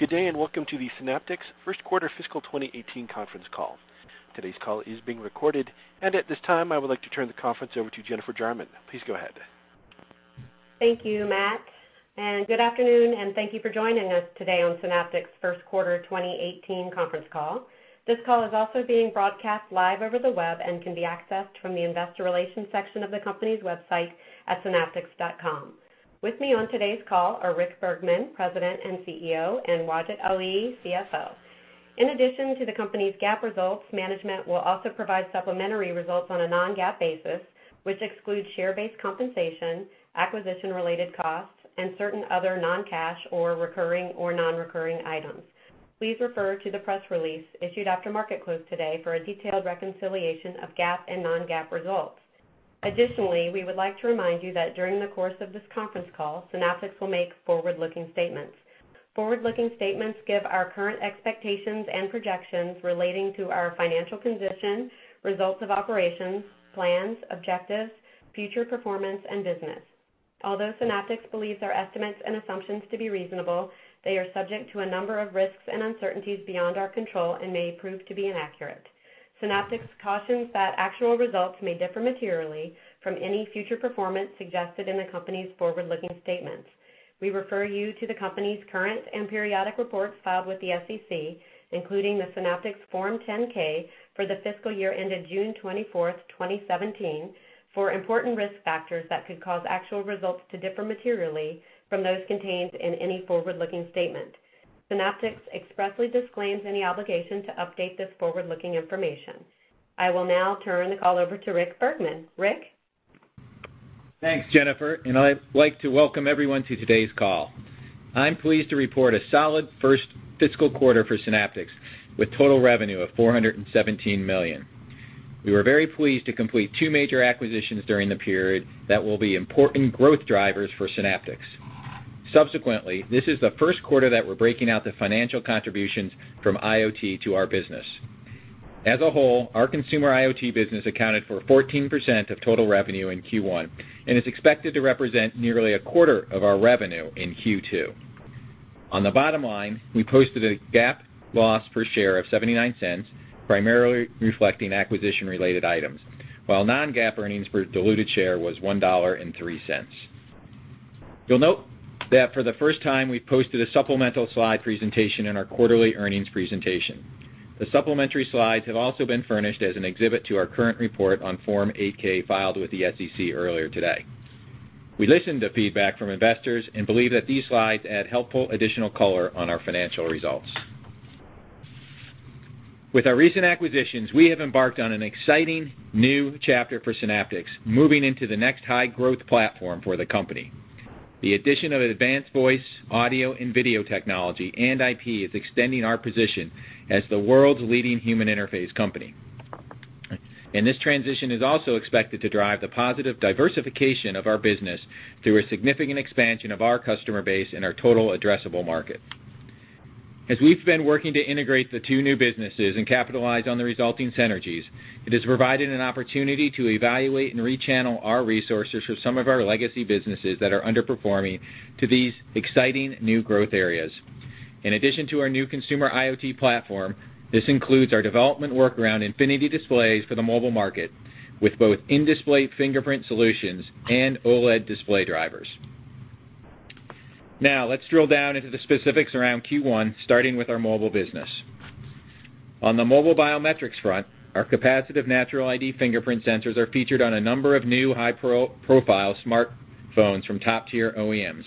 Good day, welcome to the Synaptics first quarter fiscal 2018 conference call. Today's call is being recorded, at this time, I would like to turn the conference over to Jennifer Jarman. Please go ahead. Thank you, Matt, good afternoon, thank you for joining us today on Synaptics' first quarter 2018 conference call. This call is also being broadcast live over the web and can be accessed from the investor relations section of the company's website at synaptics.com. With me on today's call are Rick Bergman, President and CEO, Wajid Ali, CFO. In addition to the company's GAAP results, management will also provide supplementary results on a non-GAAP basis, which excludes share-based compensation, acquisition-related costs, certain other non-cash or recurring or non-recurring items. Please refer to the press release issued after market close today for a detailed reconciliation of GAAP and non-GAAP results. We would like to remind you that during the course of this conference call, Synaptics will make forward-looking statements. Forward-looking statements give our current expectations and projections relating to our financial condition, results of operations, plans, objectives, future performance, and business. Although Synaptics believes our estimates and assumptions to be reasonable, they are subject to a number of risks and uncertainties beyond our control and may prove to be inaccurate. Synaptics cautions that actual results may differ materially from any future performance suggested in the company's forward-looking statements. We refer you to the company's current and periodic reports filed with the SEC, including the Synaptics Form 10-K for the fiscal year ended June 24, 2017, for important risk factors that could cause actual results to differ materially from those contained in any forward-looking statement. Synaptics expressly disclaims any obligation to update this forward-looking information. I will now turn the call over to Rick Bergman. Rick? Thanks, Jennifer, I'd like to welcome everyone to today's call. I'm pleased to report a solid first fiscal quarter for Synaptics, with total revenue of $417 million. We were very pleased to complete two major acquisitions during the period that will be important growth drivers for Synaptics. This is the first quarter that we're breaking out the financial contributions from IoT to our business. As a whole, our consumer IoT business accounted for 14% of total revenue in Q1, is expected to represent nearly a quarter of our revenue in Q2. On the bottom line, we posted a GAAP loss per share of $0.79, primarily reflecting acquisition-related items, while non-GAAP earnings per diluted share was $1.03. You'll note that for the first time, we've posted a supplemental slide presentation in our quarterly earnings presentation. The supplementary slides have also been furnished as an exhibit to our current report on Form 8-K filed with the SEC earlier today. We listened to feedback from investors and believe that these slides add helpful additional color on our financial results. With our recent acquisitions, we have embarked on an exciting new chapter for Synaptics, moving into the next high-growth platform for the company. The addition of advanced voice, audio, and video technology and IP is extending our position as the world's leading human interface company. This transition is also expected to drive the positive diversification of our business through a significant expansion of our customer base and our total addressable market. As we've been working to integrate the two new businesses and capitalize on the resulting synergies, it has provided an opportunity to evaluate and rechannel our resources for some of our legacy businesses that are underperforming to these exciting new growth areas. In addition to our new consumer IoT platform, this includes our development work around infinity displays for the mobile market, with both in-display fingerprint solutions and OLED display drivers. Now, let's drill down into the specifics around Q1, starting with our mobile business. On the mobile biometrics front, our capacitive Natural ID fingerprint sensors are featured on a number of new high-profile smartphones from top-tier OEMs.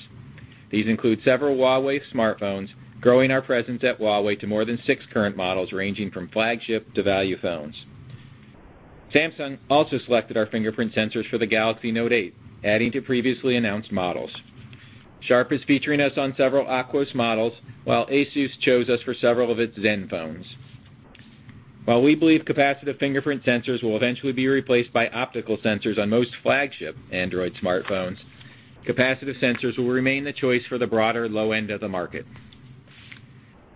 These include several Huawei smartphones, growing our presence at Huawei to more than six current models, ranging from flagship to value phones. Samsung also selected our fingerprint sensors for the Galaxy Note8, adding to previously announced models. Sharp is featuring us on several Aquos models, while ASUS chose us for several of its ZenFone. While we believe capacitive fingerprint sensors will eventually be replaced by optical sensors on most flagship Android smartphones, capacitive sensors will remain the choice for the broader low end of the market.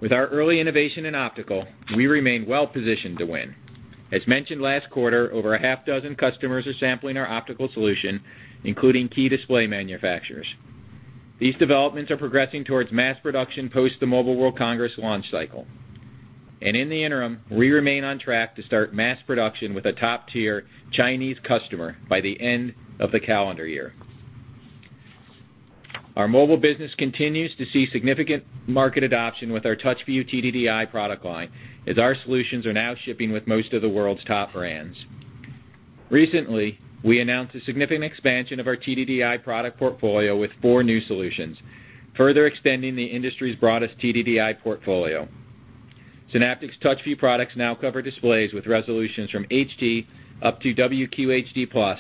With our early innovation in optical, we remain well positioned to win. As mentioned last quarter, over a half dozen customers are sampling our optical solution, including key display manufacturers. These developments are progressing towards mass production post the Mobile World Congress launch cycle. In the interim, we remain on track to start mass production with a top-tier Chinese customer by the end of the calendar year. Our mobile business continues to see significant market adoption with our TouchView TDDI product line, as our solutions are now shipping with most of the world's top brands. Recently, we announced a significant expansion of our TDDI product portfolio with four new solutions, further extending the industry's broadest TDDI portfolio. Synaptics TouchView products now cover displays with resolutions from HD up to WQHD+,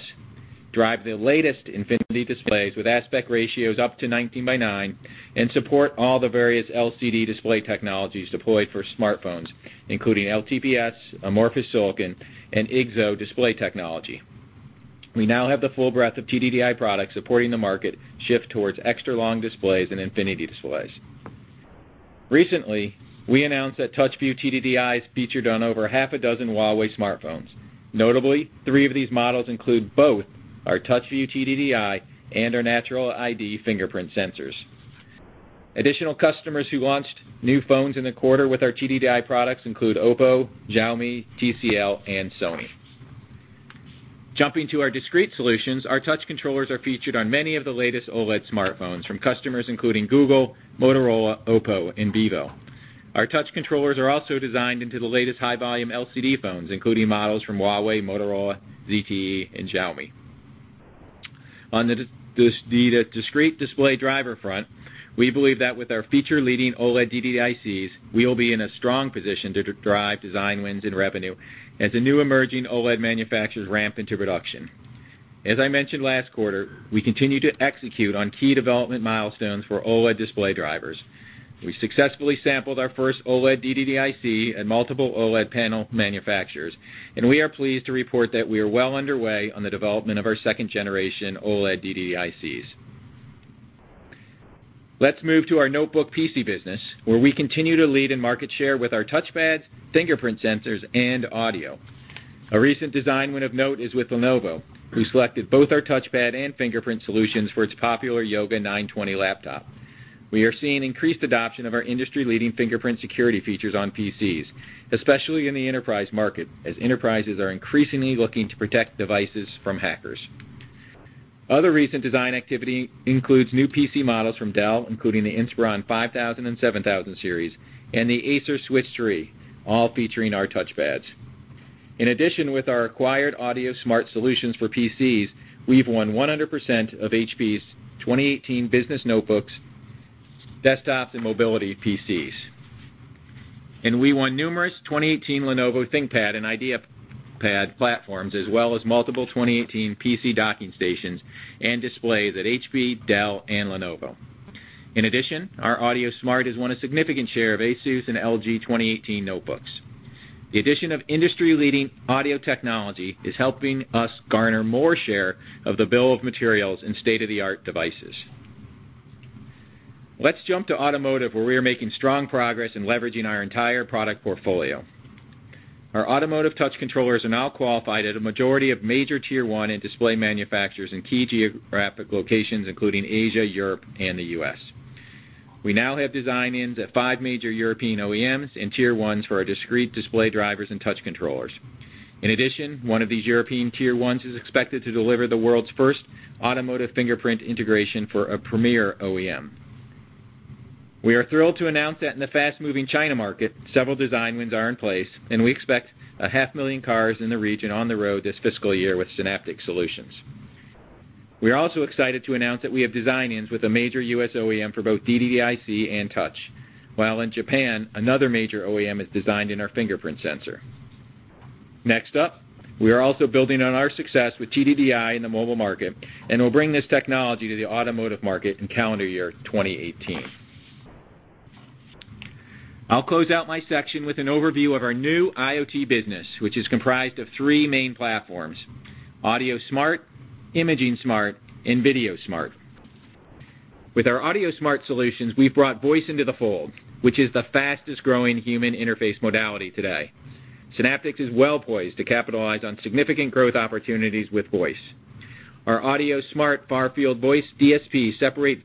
drive the latest infinity displays with aspect ratios up to 19 by 9, and support all the various LCD display technologies deployed for smartphones, including LTPS, amorphous silicon, and IGZO display technology. We now have the full breadth of TDDI products supporting the market shift towards extra long displays and infinity displays. Recently, we announced that TouchView TDDIs featured on over a half a dozen Huawei smartphones. Notably, three of these models include our TouchView TDDI and our Natural ID fingerprint sensors. Additional customers who launched new phones in the quarter with our TDDI products include OPPO, Xiaomi, TCL, and Sony. Jumping to our discrete solutions, our touch controllers are featured on many of the latest OLED smartphones from customers including Google, Motorola, OPPO, and Vivo. Our touch controllers are also designed into the latest high-volume LCD phones, including models from Huawei, Motorola, ZTE, and Xiaomi. On the discrete display driver front, we believe that with our feature leading OLED DDICs, we will be in a strong position to drive design wins and revenue as the new emerging OLED manufacturers ramp into production. As I mentioned last quarter, we continue to execute on key development milestones for OLED display drivers. We successfully sampled our first OLED DDIC and multiple OLED panel manufacturers, and we are pleased to report that we are well underway on the development of our second generation OLED DDICs. Let's move to our notebook PC business, where we continue to lead in market share with our touchpads, fingerprint sensors, and audio. A recent design win of note is with Lenovo, who selected both our touchpad and fingerprint solutions for its popular Yoga 920 laptop. We are seeing increased adoption of our industry-leading fingerprint security features on PCs, especially in the enterprise market, as enterprises are increasingly looking to protect devices from hackers. Other recent design activity includes new PC models from Dell, including the Inspiron 5000 and 7000 series, and the Acer Switch 3, all featuring our touchpads. In addition, with our acquired AudioSmart solutions for PCs, we've won 100% of HP's 2018 business notebooks, desktops, and mobility PCs. We won numerous 2018 Lenovo ThinkPad and IdeaPad platforms, as well as multiple 2018 PC docking stations and displays at HP, Dell, and Lenovo. In addition, our AudioSmart has won a significant share of ASUS and LG 2018 notebooks. The addition of industry-leading audio technology is helping us garner more share of the bill of materials in state-of-the-art devices. Let's jump to automotive, where we are making strong progress in leveraging our entire product portfolio. Our automotive touch controllers are now qualified at a majority of major Tier 1 and display manufacturers in key geographic locations, including Asia, Europe, and the U.S. We now have design-ins at five major European OEMs and Tier 1s for our discrete display drivers and touch controllers. In addition, one of these European Tier 1s is expected to deliver the world's first automotive fingerprint integration for a premier OEM. We are thrilled to announce that in the fast-moving China market, several design wins are in place. We expect a half million cars in the region on the road this fiscal year with Synaptics solutions. We are also excited to announce that we have design-ins with a major U.S. OEM for both DDIC and touch, while in Japan, another major OEM has designed in our fingerprint sensor. Next up, we are also building on our success with TDDI in the mobile market and will bring this technology to the automotive market in calendar year 2018. I'll close out my section with an overview of our new IoT business, which is comprised of three main platforms: AudioSmart, ImagingSmart, and VideoSmart. With our AudioSmart solutions, we've brought voice into the fold, which is the fastest-growing human interface modality today. Synaptics is well-poised to capitalize on significant growth opportunities with voice. Our AudioSmart far-field voice DSP separate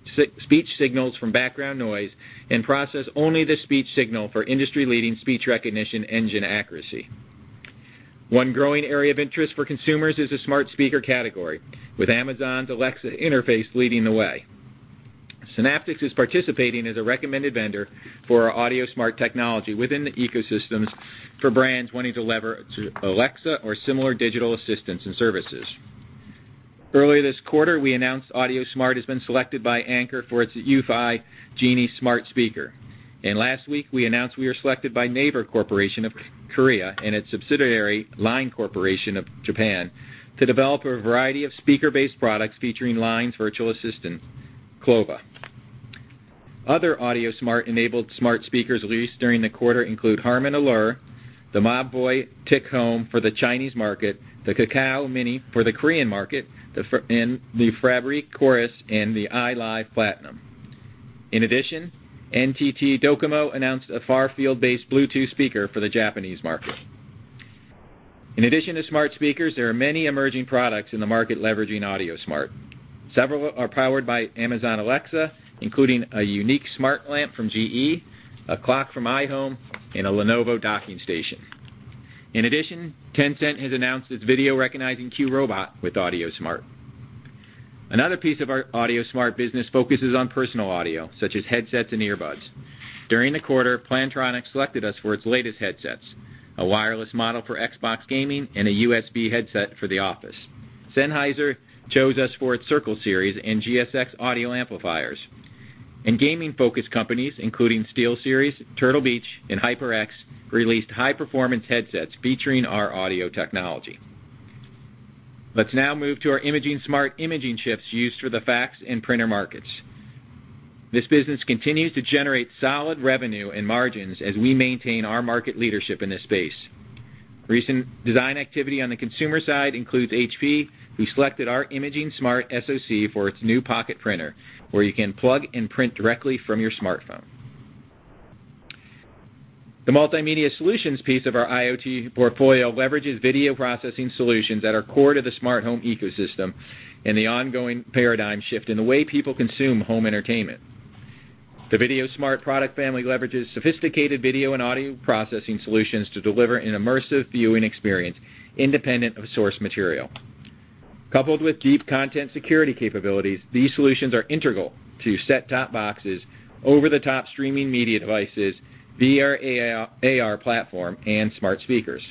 speech signals from background noise and process only the speech signal for industry-leading speech recognition engine accuracy. One growing area of interest for consumers is the smart speaker category, with Amazon's Alexa interface leading the way. Synaptics is participating as a recommended vendor for our AudioSmart technology within the ecosystems for brands wanting to lever to Alexa or similar digital assistants and services. Earlier this quarter, we announced AudioSmart has been selected by Anker for its Eufy Genie smart speaker. Last week, we announced we were selected by Naver Corporation of Korea and its subsidiary, Line Corporation of Japan, to develop a variety of speaker-based products featuring Line's virtual assistant, Clova. Other AudioSmart-enabled smart speakers released during the quarter include Harman Aura, the Mobvoi TicHome for the Chinese market, the Kakao Mini for the Korean market, the Fabriq Chorus and the iLive Platinum. In addition, NTT Docomo announced a far-field-based Bluetooth speaker for the Japanese market. In addition to smart speakers, there are many emerging products in the market leveraging AudioSmart. Several are powered by Amazon Alexa, including a unique smart lamp from GE, a clock from iHome, and a Lenovo docking station. In addition, Tencent has announced its video-recognizing Qrobot with AudioSmart. Another piece of our AudioSmart business focuses on personal audio, such as headsets and earbuds. During the quarter, Plantronics selected us for its latest headsets, a wireless model for Xbox gaming, and a USB headset for the office. Sennheiser chose us for its Circle series and GSX audio amplifiers. Gaming-focused companies, including SteelSeries, Turtle Beach, and HyperX, released high-performance headsets featuring our audio technology. Let's now move to our ImagingSmart imaging chips used for the fax and printer markets. This business continues to generate solid revenue and margins as we maintain our market leadership in this space. Recent design activity on the consumer side includes HP, who selected our ImagingSmart SoC for its new pocket printer, where you can plug and print directly from your smartphone. The multimedia solutions piece of our IoT portfolio leverages video processing solutions that are core to the smart home ecosystem and the ongoing paradigm shift in the way people consume home entertainment. The VideoSmart product family leverages sophisticated video and audio processing solutions to deliver an immersive viewing experience independent of source material. Coupled with deep content security capabilities, these solutions are integral to set-top boxes, over-the-top streaming media devices, VR/AR platform, and smart speakers.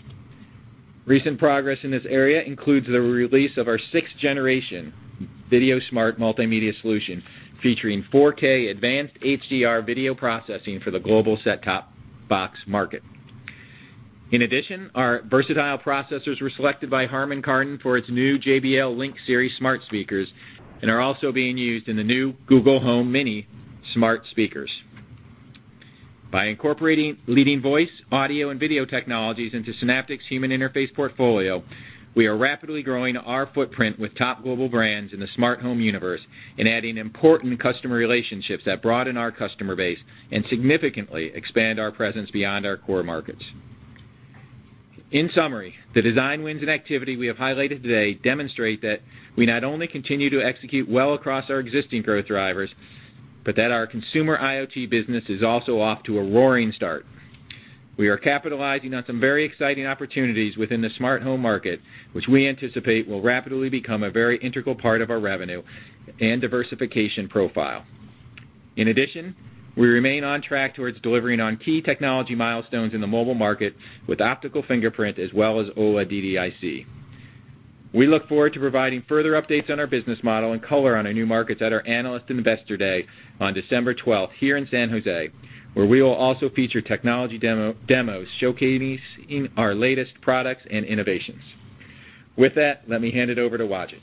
Recent progress in this area includes the release of our sixth generation VideoSmart multimedia solution, featuring 4K advanced HDR video processing for the global set-top box market. In addition, our versatile processors were selected by Harman Kardon for its new JBL Link Series smart speakers and are also being used in the new Google Home Mini smart speakers. By incorporating leading voice, audio, and video technologies into Synaptics' human interface portfolio, we are rapidly growing our footprint with top global brands in the smart home universe and adding important customer relationships that broaden our customer base and significantly expand our presence beyond our core markets. In summary, the design wins and activity we have highlighted today demonstrate that we not only continue to execute well across our existing growth drivers, but that our consumer IoT business is also off to a roaring start. We are capitalizing on some very exciting opportunities within the smart home market, which we anticipate will rapidly become a very integral part of our revenue and diversification profile. In addition, we remain on track towards delivering on key technology milestones in the mobile market with optical fingerprint as well as OLED DDIC. We look forward to providing further updates on our business model and color on our new markets at our Analyst and Investor Day on December 12th here in San Jose, where we will also feature technology demos showcasing our latest products and innovations. With that, let me hand it over to Wajid.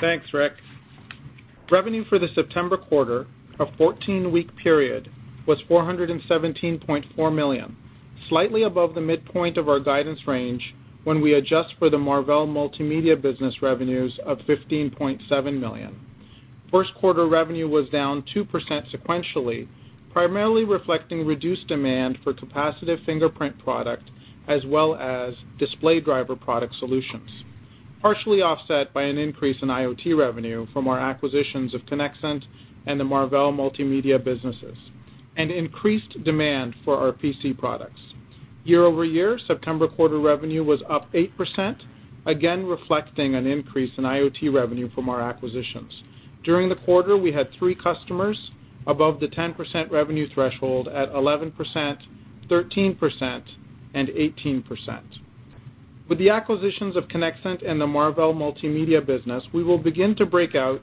Thanks, Rick. Revenue for the September quarter, a 14-week period, was $417.4 million, slightly above the midpoint of our guidance range when we adjust for the Marvell multimedia business revenues of $15.7 million. First quarter revenue was down 2% sequentially, primarily reflecting reduced demand for capacitive fingerprint product as well as display driver product solutions, partially offset by an increase in IoT revenue from our acquisitions of Conexant and the Marvell multimedia businesses, and increased demand for our PC products. Year-over-year, September quarter revenue was up 8%, again reflecting an increase in IoT revenue from our acquisitions. During the quarter, we had three customers above the 10% revenue threshold at 11%, 13%, and 18%. With the acquisitions of Conexant and the Marvell multimedia business, we will begin to break out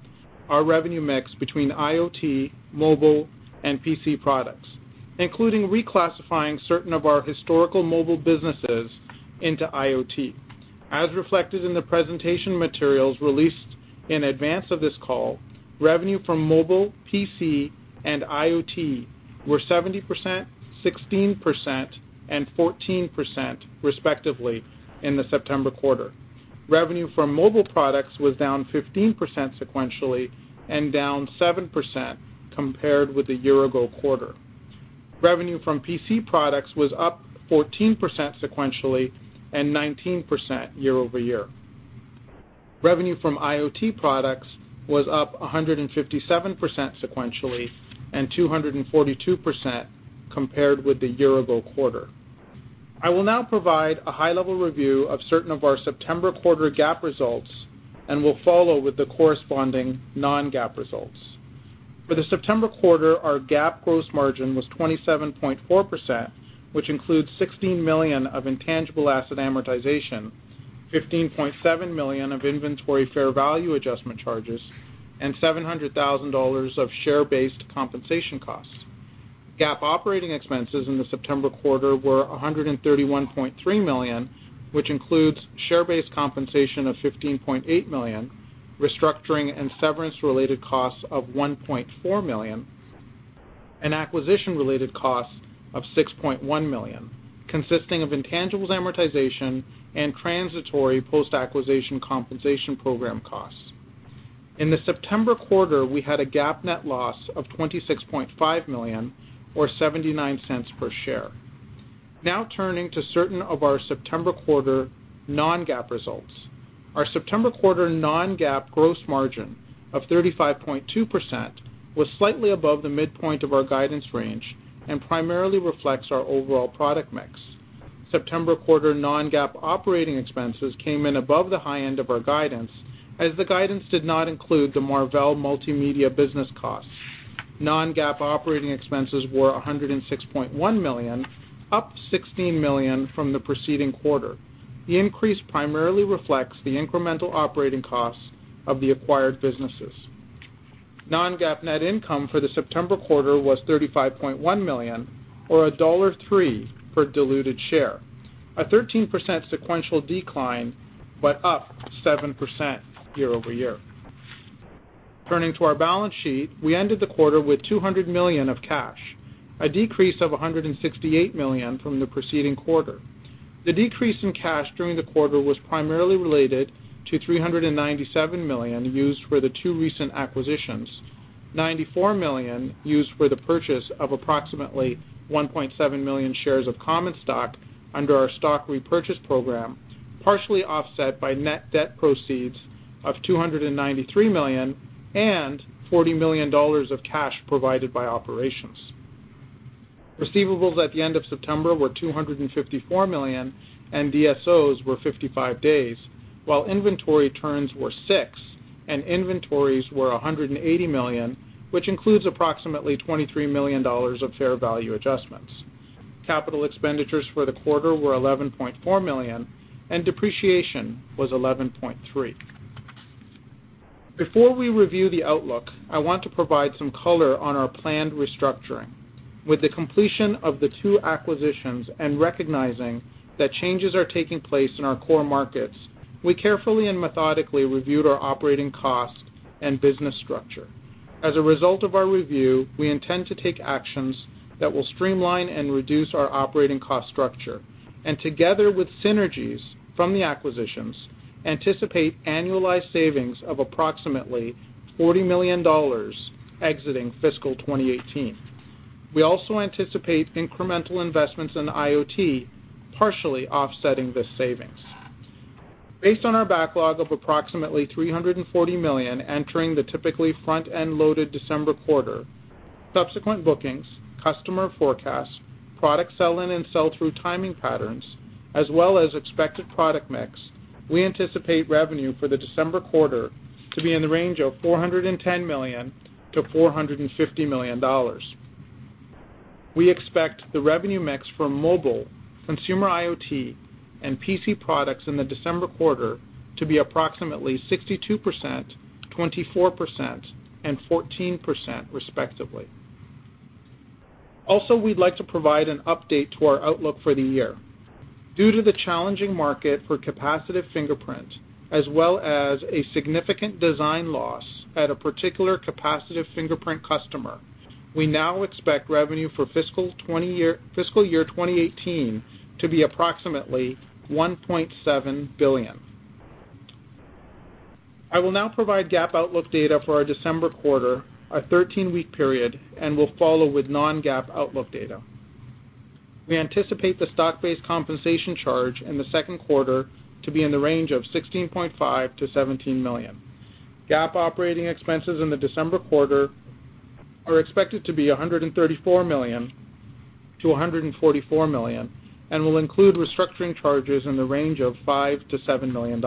our revenue mix between IoT, mobile, and PC products, including reclassifying certain of our historical mobile businesses into IoT. As reflected in the presentation materials released in advance of this call, revenue from mobile, PC, and IoT were 70%, 16%, and 14%, respectively, in the September quarter. Revenue from mobile products was down 15% sequentially and down 7% compared with the year-ago quarter. Revenue from PC products was up 14% sequentially and 19% year-over-year. Revenue from IoT products was up 157% sequentially and 242% compared with the year-ago quarter. I will now provide a high-level review of certain of our September quarter GAAP results and will follow with the corresponding non-GAAP results. For the September quarter, our GAAP gross margin was 27.4%, which includes $16 million of intangible asset amortization, $15.7 million of inventory fair value adjustment charges, and $700,000 of share-based compensation costs. GAAP operating expenses in the September quarter were $131.3 million, which includes share-based compensation of $15.8 million, restructuring and severance-related costs of $1.4 million, and acquisition-related costs of $6.1 million, consisting of intangibles amortization and transitory post-acquisition compensation program costs. In the September quarter, we had a GAAP net loss of $26.5 million, or $0.79 per share. Now turning to certain of our September quarter non-GAAP results. Our September quarter non-GAAP gross margin of 35.2% was slightly above the midpoint of our guidance range and primarily reflects our overall product mix. September quarter non-GAAP operating expenses came in above the high end of our guidance as the guidance did not include the Marvell multimedia business costs. Non-GAAP operating expenses were $106.1 million, up $16 million from the preceding quarter. The increase primarily reflects the incremental operating costs of the acquired businesses. Non-GAAP net income for the September quarter was $35.1 million, or $1.03 per diluted share, a 13% sequential decline, but up 7% year-over-year. Turning to our balance sheet, we ended the quarter with $200 million of cash, a decrease of $168 million from the preceding quarter. The decrease in cash during the quarter was primarily related to $397 million used for the two recent acquisitions. $94 million used for the purchase of approximately 1.7 million shares of common stock under our stock repurchase program, partially offset by net debt proceeds of $293 million and $40 million of cash provided by operations. Receivables at the end of September were $254 million, and DSOs were 55 days, while inventory turns were six and inventories were $180 million, which includes approximately $23 million of fair value adjustments. Capital expenditures for the quarter were $11.4 million, and depreciation was $11.3 million. Before we review the outlook, I want to provide some color on our planned restructuring. With the completion of the two acquisitions and recognizing that changes are taking place in our core markets, we carefully and methodically reviewed our operating cost and business structure. As a result of our review, we intend to take actions that will streamline and reduce our operating cost structure, and together with synergies from the acquisitions, anticipate annualized savings of approximately $40 million exiting fiscal 2018. We also anticipate incremental investments in IoT partially offsetting this savings. Based on our backlog of approximately $340 million entering the typically front-end loaded December quarter, subsequent bookings, customer forecasts, product sell-in and sell-through timing patterns, as well as expected product mix, we anticipate revenue for the December quarter to be in the range of $410 million-$450 million. We expect the revenue mix for mobile, consumer IoT, and PC products in the December quarter to be approximately 62%, 24%, and 14% respectively. We'd like to provide an update to our outlook for the year. Due to the challenging market for capacitive fingerprint, as well as a significant design loss at a particular capacitive fingerprint customer, we now expect revenue for fiscal year 2018 to be approximately $1.7 billion. I will now provide GAAP outlook data for our December quarter, a 13-week period, and will follow with non-GAAP outlook data. We anticipate the stock-based compensation charge in the second quarter to be in the range of $16.5 million-$17 million. GAAP operating expenses in the December quarter are expected to be $134 million-$144 million and will include restructuring charges in the range of $5 million-$7 million.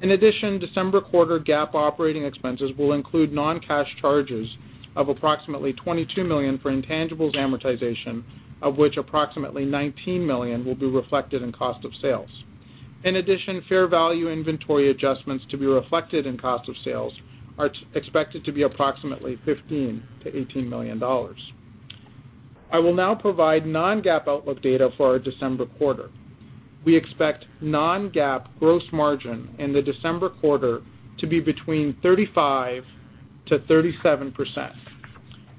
In addition, December quarter GAAP operating expenses will include non-cash charges of approximately $22 million for intangibles amortization, of which approximately $19 million will be reflected in cost of sales. In addition, fair value inventory adjustments to be reflected in cost of sales are expected to be approximately $15 million-$18 million. I will now provide non-GAAP outlook data for our December quarter. We expect non-GAAP gross margin in the December quarter to be between 35%-37%.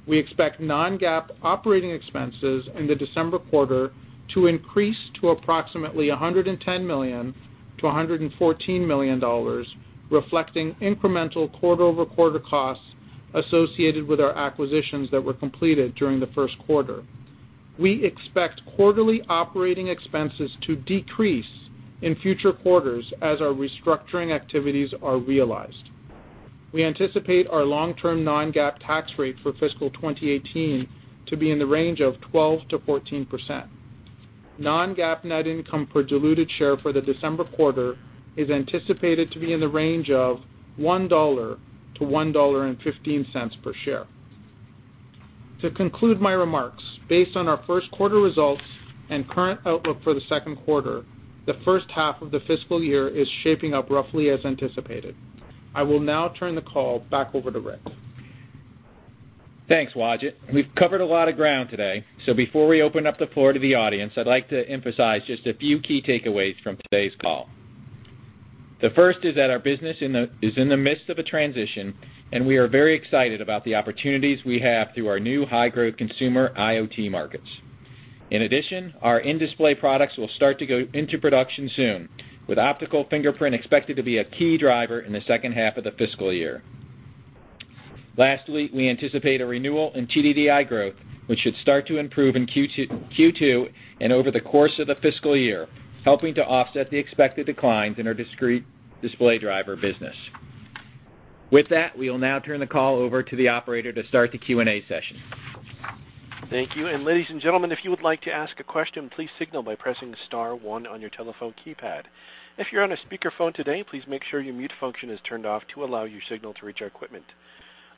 We expect non-GAAP operating expenses in the December quarter to increase to approximately $110 million-$114 million, reflecting incremental quarter-over-quarter costs associated with our acquisitions that were completed during the first quarter. We expect quarterly operating expenses to decrease in future quarters as our restructuring activities are realized. We anticipate our long-term non-GAAP tax rate for fiscal 2018 to be in the range of 12%-14%. Non-GAAP net income per diluted share for the December quarter is anticipated to be in the range of $1-$1.15 per share. To conclude my remarks, based on our first quarter results and current outlook for the second quarter, the first half of the fiscal year is shaping up roughly as anticipated. I will now turn the call back over to Rick. Thanks, Wajid. We've covered a lot of ground today, so before we open up the floor to the audience, I'd like to emphasize just a few key takeaways from today's call. The first is that our business is in the midst of a transition, and we are very excited about the opportunities we have through our new high-growth consumer IoT markets. In addition, our in-display products will start to go into production soon, with optical fingerprint expected to be a key driver in the second half of the fiscal year. Lastly, we anticipate a renewal in TDDI growth, which should start to improve in Q2 and over the course of the fiscal year, helping to offset the expected declines in our discrete display driver business. With that, we will now turn the call over to the operator to start the Q&A session. Thank you. Ladies and gentlemen, if you would like to ask a question, please signal by pressing *1 on your telephone keypad. If you're on a speakerphone today, please make sure your mute function is turned off to allow your signal to reach our equipment.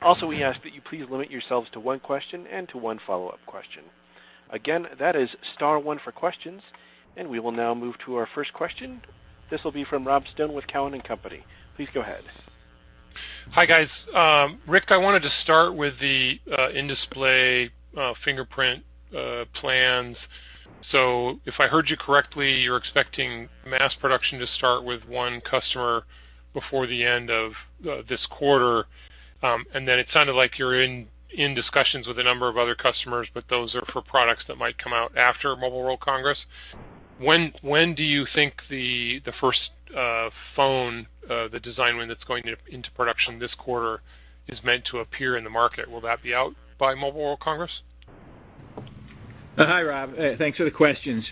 Also, we ask that you please limit yourselves to one question and to one follow-up question. Again, that is *1 for questions. We will now move to our first question. This will be from Rob Stone with Cowen and Company. Please go ahead. Hi, guys. Rick, I wanted to start with the in-display fingerprint plans. If I heard you correctly, you're expecting mass production to start with one customer before the end of this quarter, and then it sounded like you're in discussions with a number of other customers, but those are for products that might come out after Mobile World Congress. When do you think the first phone, the design win that's going into production this quarter, is meant to appear in the market? Will that be out by Mobile World Congress? Hi, Rob. Thanks for the questions.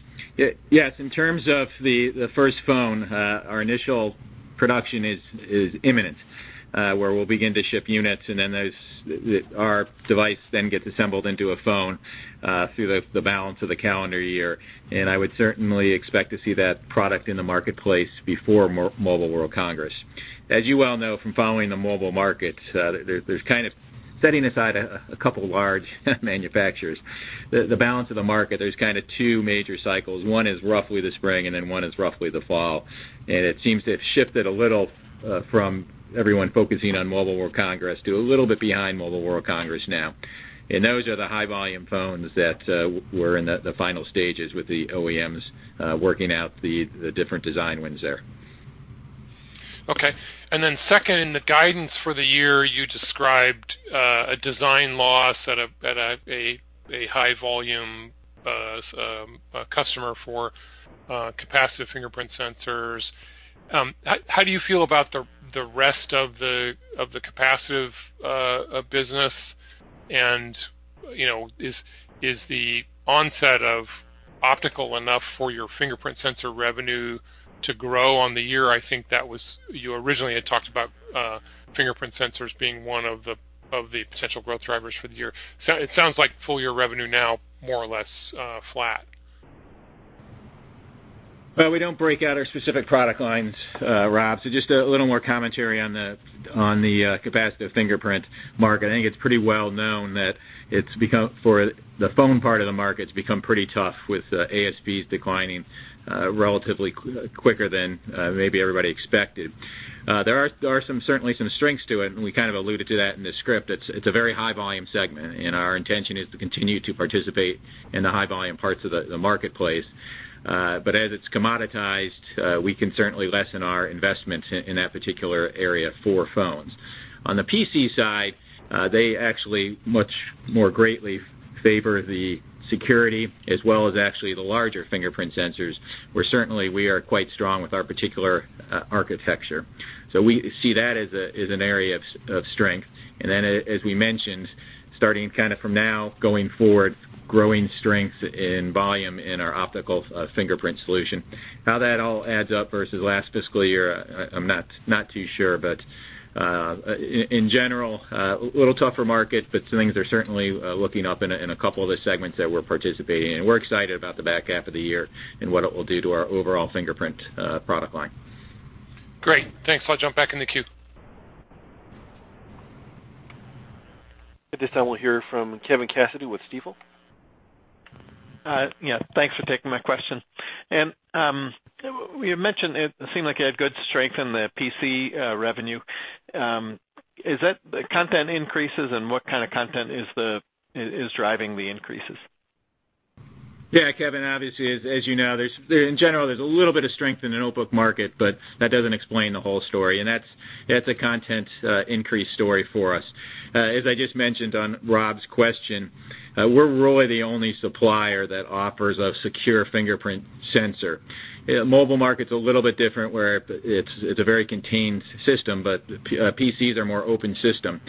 Yes, in terms of the first phone, our initial production is imminent, where we'll begin to ship units and then our device then gets assembled into a phone through the balance of the calendar year. I would certainly expect to see that product in the marketplace before Mobile World Congress. As you well know from following the mobile market, setting aside a couple of large manufacturers, the balance of the market, there's two major cycles. One is roughly the spring, then one is roughly the fall. It seems to have shifted a little from everyone focusing on Mobile World Congress to a little bit behind Mobile World Congress now. Those are the high-volume phones that were in the final stages with the OEMs working out the different design wins there. Okay. Second, in the guidance for the year, you described a design loss at a high-volume customer for capacitive fingerprint sensors. How do you feel about the rest of the capacitive business, and is the onset of optical enough for your fingerprint sensor revenue to grow on the year? I think that you originally had talked about fingerprint sensors being one of the potential growth drivers for the year. It sounds like full-year revenue now more or less flat. Well, we don't break out our specific product lines, Rob. Just a little more commentary on the capacitive fingerprint market. I think it's pretty well known that the phone part of the market's become pretty tough with ASPs declining relatively quicker than maybe everybody expected. There are certainly some strengths to it, and we kind of alluded to that in the script. It's a very high-volume segment, and our intention is to continue to participate in the high-volume parts of the marketplace. As it's commoditized, we can certainly lessen our investment in that particular area for phones. On the PC side, they actually much more greatly favor the security as well as actually the larger fingerprint sensors, where certainly we are quite strong with our particular architecture. We see that as an area of strength. As we mentioned, starting from now going forward, growing strength in volume in our optical fingerprint solution. How that all adds up versus last fiscal year, I'm not too sure, but in general, a little tougher market, but things are certainly looking up in a couple of the segments that we're participating in. We're excited about the back half of the year and what it will do to our overall fingerprint product line. Great. Thanks. I'll jump back in the queue. At this time, we'll hear from Kevin Cassidy with Stifel. Thanks for taking my question. You mentioned it seemed like you had good strength in the PC revenue. Is that content increases, and what kind of content is driving the increases? Yeah, Kevin, obviously, as you know, in general, there's a little bit of strength in the notebook market, that doesn't explain the whole story, and that's a content increase story for us. As I just mentioned on Rob's question, we're really the only supplier that offers a secure fingerprint sensor. Mobile market's a little bit different, where it's a very contained system, but PCs are more open system.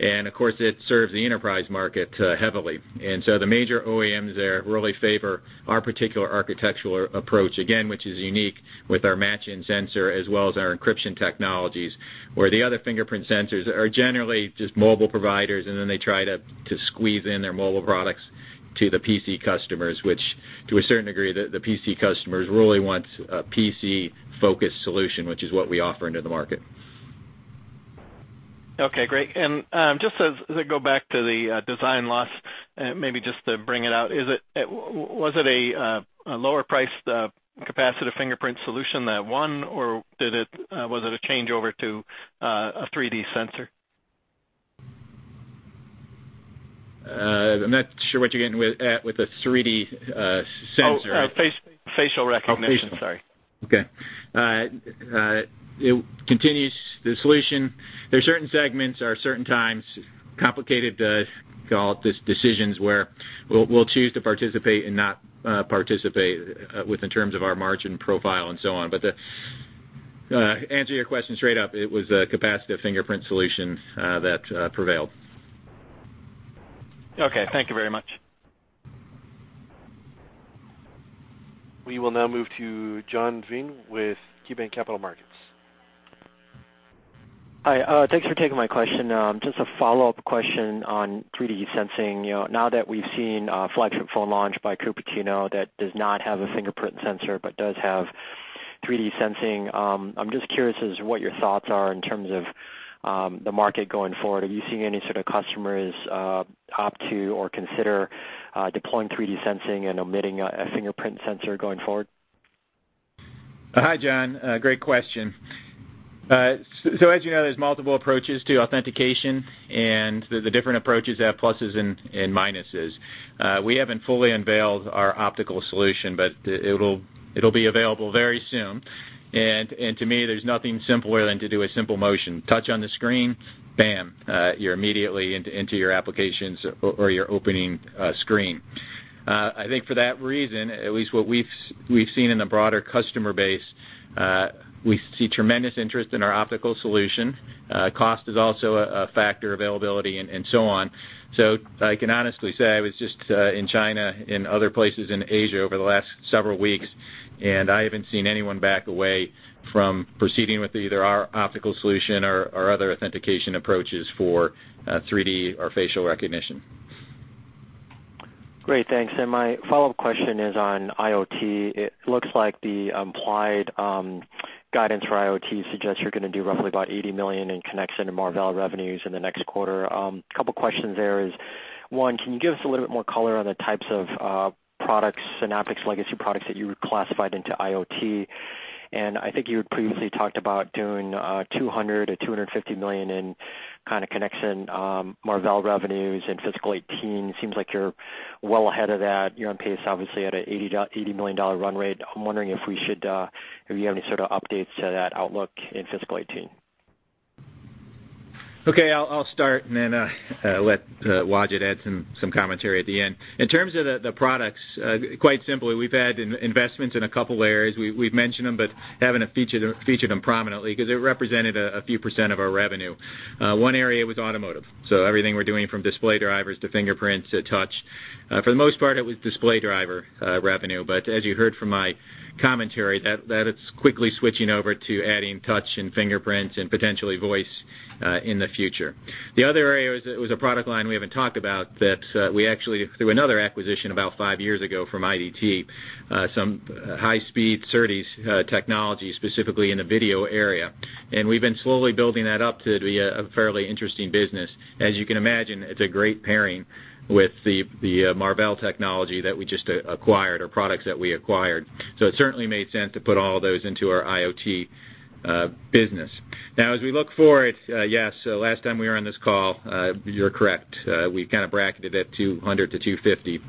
Of course, it serves the enterprise market heavily. The major OEMs there really favor our particular architectural approach, again, which is unique with our Match-in-Sensor as well as our encryption technologies, where the other fingerprint sensors are generally just mobile providers, and then they try to squeeze in their mobile products to the PC customers, which to a certain degree, the PC customers really want a PC-focused solution, which is what we offer into the market. Okay, great. Just as I go back to the design loss, maybe just to bring it out, was it a lower-priced capacitive fingerprint solution that won, or was it a changeover to a 3D sensor? I'm not sure what you're getting at with a 3D sensor. Oh, facial recognition. Sorry. Okay. There are certain segments or certain times, complicated decisions where we will choose to participate and not participate with in terms of our margin profile and so on. To answer your question straight up, it was a capacitive fingerprint solution that prevailed. Okay. Thank you very much. We will now move to John Vinh with KeyBanc Capital Markets. Hi. Thanks for taking my question. Just a follow-up question on 3D sensing. Now that we have seen a flagship phone launch by Cupertino that does not have a fingerprint sensor but does have 3D sensing, I am just curious as to what your thoughts are in terms of the market going forward. Are you seeing any sort of customers opt to or consider deploying 3D sensing and omitting a fingerprint sensor going forward? Hi, John. Great question. As you know, there's multiple approaches to authentication, the different approaches have pluses and minuses. We haven't fully unveiled our optical solution, but it'll be available very soon. To me, there's nothing simpler than to do a simple motion touch on the screen, bam, you're immediately into your applications or your opening screen. I think for that reason, at least what we've seen in the broader customer base, we see tremendous interest in our optical solution. Cost is also a factor, availability and so on. I can honestly say, I was just in China and other places in Asia over the last several weeks, I haven't seen anyone back away from proceeding with either our optical solution or other authentication approaches for 3D or facial recognition. Great, thanks. My follow-up question is on IoT. It looks like the implied guidance for IoT suggests you're going to do roughly about $80 million in connection to Marvell revenues in the next quarter. Couple questions there is, one, can you give us a little bit more color on the types of products, Synaptics legacy products that you classified into IoT? I think you had previously talked about doing $200 million to $250 million in kind of connection Marvell revenues in fiscal 2018. Seems like you're well ahead of that. You're on pace, obviously, at a $80 million run rate. I'm wondering if you have any sort of updates to that outlook in fiscal 2018. Okay, I'll start and then let Wajid add some commentary at the end. In terms of the products, quite simply, we've had investments in a couple areas. We've mentioned them, but haven't featured them prominently because they represented a few % of our revenue. One area was automotive, everything we're doing from display drivers to fingerprint to touch. For the most part, it was display driver revenue. As you heard from my commentary, that it's quickly switching over to adding touch and fingerprint and potentially voice in the future. The other area was a product line we haven't talked about that we actually, through another acquisition about 5 years ago from IDT, some high-speed SerDes technology, specifically in the video area. We've been slowly building that up to be a fairly interesting business. As you can imagine, it's a great pairing with the Marvell technology that we just acquired, or products that we acquired. It certainly made sense to put all those into our IoT business. As we look forward, yes, last time we were on this call, you're correct, I kind of bracketed it to $100 million to $250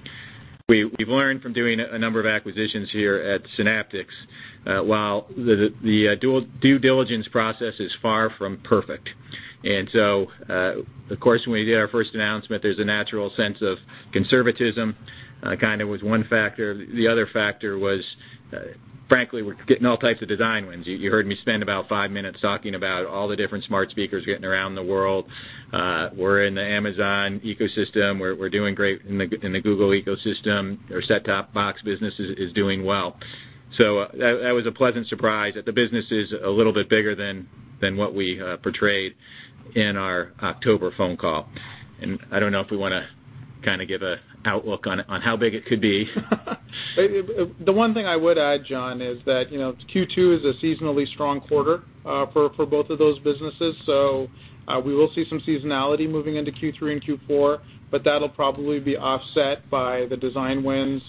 million. We've learned from doing a number of acquisitions here at Synaptics, while the due diligence process is far from perfect. Of course, when we did our first announcement, there's a natural sense of conservatism, kind of was one factor. The other factor was, frankly, we're getting all types of design wins. You heard me spend about 5 minutes talking about all the different smart speakers getting around the world. We're in the Amazon ecosystem. We're doing great in the Google ecosystem. Our set-top box business is doing well. That was a pleasant surprise that the business is a little bit bigger than what we portrayed in our October phone call. I don't know if we want to kind of give an outlook on how big it could be. The one thing I would add, John, is that Q2 is a seasonally strong quarter for both of those businesses. We will see some seasonality moving into Q3 and Q4, but that'll probably be offset by the design wins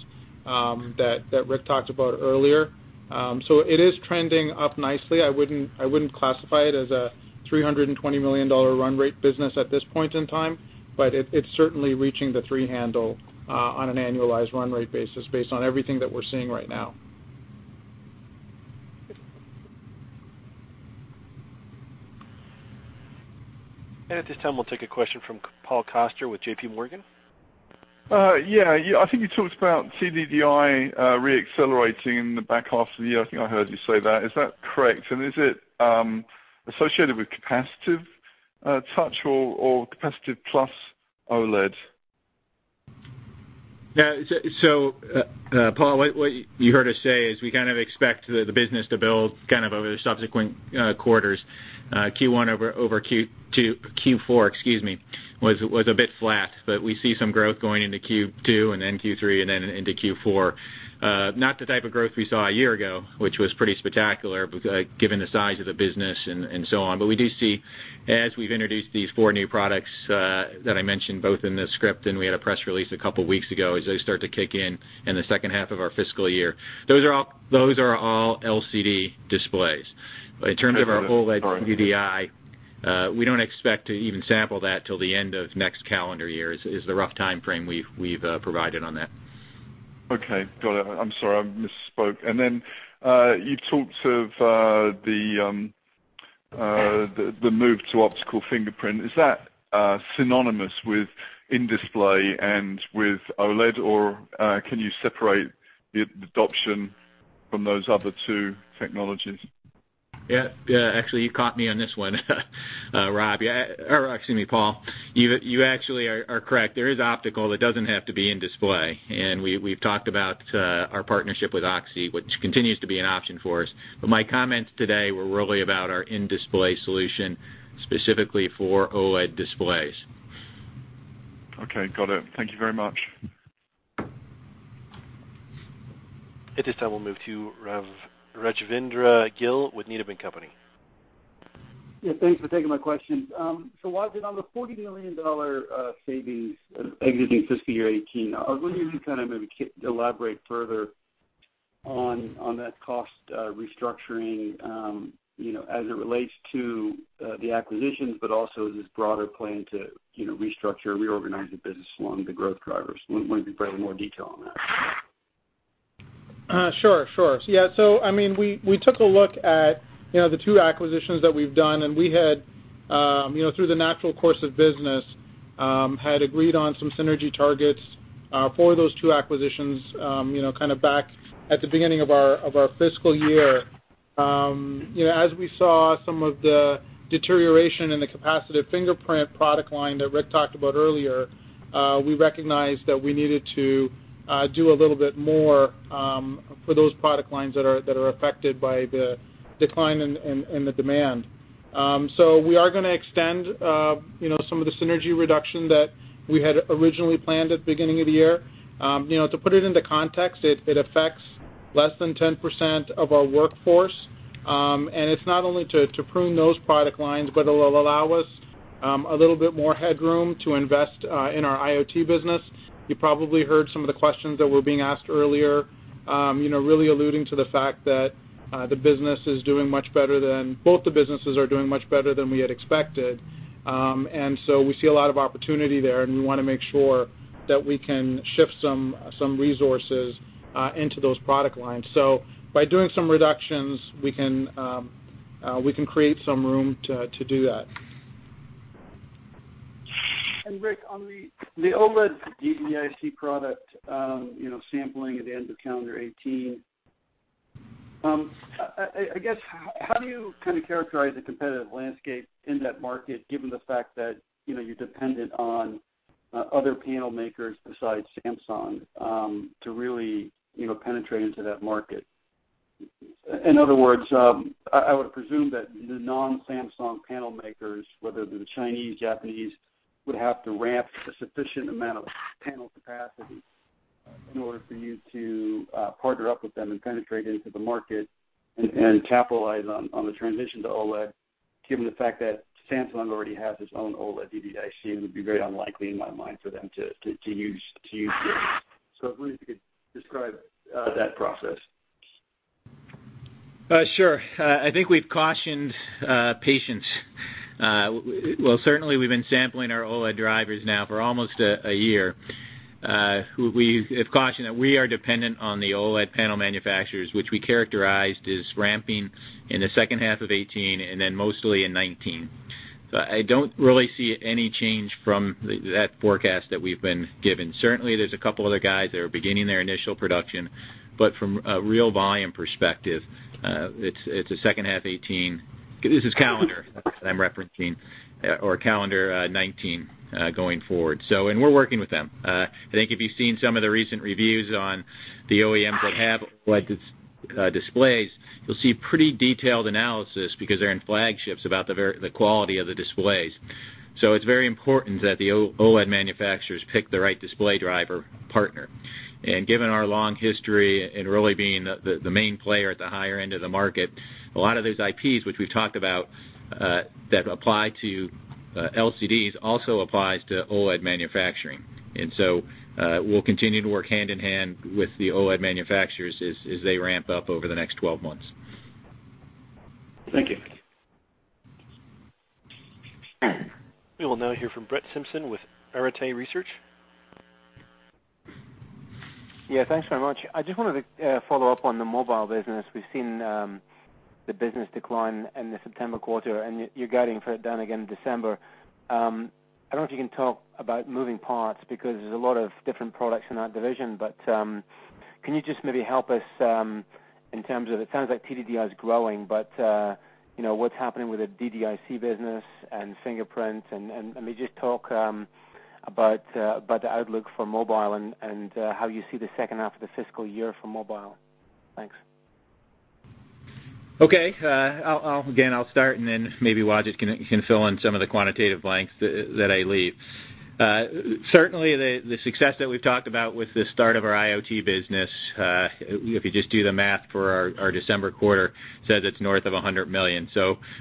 that Rick talked about earlier. It is trending up nicely. I wouldn't classify it as a $320 million run rate business at this point in time, but it's certainly reaching the three handle on an annualized run rate basis, based on everything that we're seeing right now. At this time, we'll take a question from Paul Coster with J.P. Morgan. Yeah. I think you talked about TDDI re-accelerating in the back half of the year. I think I heard you say that. Is that correct? Is it associated with capacitive touch or capacitive plus OLED? Yeah. Paul, what you heard us say is we kind of expect the business to build kind of over the subsequent quarters. Q1 over Q4 was a bit flat, we see some growth going into Q2 and then Q3 and then into Q4. Not the type of growth we saw a year ago, which was pretty spectacular given the size of the business and so on. We do see, as we've introduced these four new products that I mentioned both in the script, and we had a press release a couple weeks ago, as they start to kick in in the second half of our fiscal year. Those are all LCD displays. In terms of our OLED TDDI, we don't expect to even sample that till the end of next calendar year, is the rough timeframe we've provided on that. Okay, got it. I'm sorry, I misspoke. You talked of the move to optical fingerprint. Is that synonymous with in-display and with OLED, or can you separate the adoption from those other two technologies? Yeah. Actually, you caught me on this one, Paul. You actually are correct. There is optical that doesn't have to be in-display, and we've talked about our partnership with OXi, which continues to be an option for us. My comments today were really about our in-display solution, specifically for OLED displays. Okay, got it. Thank you very much. At this time, we'll move to Rajvindra Gill with Needham & Company. Thanks for taking my question. Wajid, on the $40 million savings exiting fiscal year 2018, I was wondering if you can kind of maybe elaborate further on that cost restructuring as it relates to the acquisitions, but also this broader plan to restructure and reorganize the business along the growth drivers. Wondering if you could provide more detail on that. Sure. We took a look at the two acquisitions that we've done, and we had, through the natural course of business, agreed on some synergy targets for those two acquisitions back at the beginning of our fiscal year. As we saw some of the deterioration in the capacitive fingerprint product line that Rick talked about earlier, we recognized that we needed to do a little bit more for those product lines that are affected by the decline in the demand. We are going to extend some of the synergy reduction that we had originally planned at the beginning of the year. To put it into context, it affects less than 10% of our workforce, and it's not only to prune those product lines, but it'll allow us a little bit more headroom to invest in our IoT business. You probably heard some of the questions that were being asked earlier, really alluding to the fact that both the businesses are doing much better than we had expected. We see a lot of opportunity there, and we want to make sure that we can shift some resources into those product lines. By doing some reductions, we can create some room to do that. Rick, on the OLED DDIC product sampling at the end of calendar 2018, how do you characterize the competitive landscape in that market, given the fact that you're dependent on other panel makers besides Samsung to really penetrate into that market? In other words, I would presume that the non-Samsung panel makers, whether they're the Chinese, Japanese, would have to ramp a sufficient amount of panel capacity in order for you to partner up with them and penetrate into the market and capitalize on the transition to OLED, given the fact that Samsung already has its own OLED DDIC, and it would be very unlikely in my mind for them to use yours. I was wondering if you could describe that process. Sure. I think we've cautioned patience. Well, certainly we've been sampling our OLED drivers now for almost a year. We have cautioned that we are dependent on the OLED panel manufacturers, which we characterized as ramping in the second half of 2018 and then mostly in 2019. I don't really see any change from that forecast that we've been given. Certainly, there's a couple other guys that are beginning their initial production, but from a real volume perspective, it's a second half 2018. This is calendar I'm referencing, or calendar 2019 going forward. We're working with them. I think if you've seen some of the recent reviews on the OEMs that have OLED displays, you'll see pretty detailed analysis because they're in flagships about the quality of the displays. It's very important that the OLED manufacturers pick the right display driver partner. Given our long history and really being the main player at the higher end of the market, a lot of those IPs which we've talked about that apply to LCDs also applies to OLED manufacturing. We'll continue to work hand-in-hand with the OLED manufacturers as they ramp up over the next 12 months. Thank you. We will now hear from Brett Simpson with Arete Research. Yeah. Thanks very much. I just wanted to follow up on the mobile business. We've seen the business decline in the September quarter, and you're guiding for it down again in December. I don't know if you can talk about moving parts because there's a lot of different products in that division, but can you just maybe help us in terms of, it sounds like TDDI is growing, but what's happening with the DDIC business and fingerprint, and maybe just talk about the outlook for mobile and how you see the second half of the fiscal year for mobile. Thanks. Okay. Again, I'll start and then maybe Wajid can fill in some of the quantitative blanks that I leave. Certainly, the success that we've talked about with the start of our IoT business, if you just do the math for our December quarter, says it's north of $100 million.